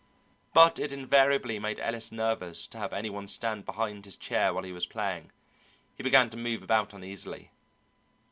But it invariably made Ellis nervous to have any one stand behind his chair while he was playing; he began to move about uneasily.